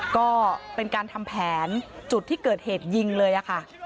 ก็เป็นการทำแผนจุดที่เกิดเหตุยิงเลยค่ะ